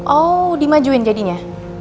oh dimajuin jadinya